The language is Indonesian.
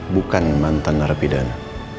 bukan mantan narapidana